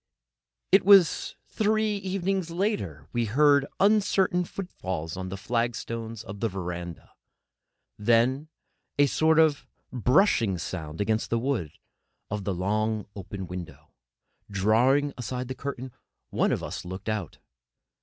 It was three evenings later that we heard uncertain footfalls on the flagstones of the verandah, then a sort of brushing sound against the wood of the long, open window. Drawing aside the curtain, one of us looked out.